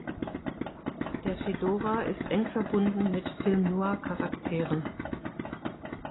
Der Fedora ist eng verbunden mit Film-Noir-Charakteren.